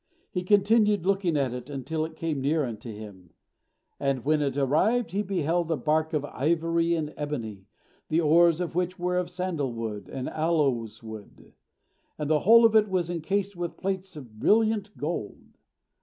He continued looking at it until it came near unto him; and when it arrived, he beheld a bark of ivory and ebony, the oars of which were of sandal wood and aloes wood, and the whole of it was encased with plates of brilliant gold.